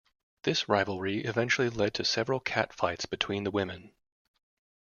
This rivalry eventually led to several catfights between the women.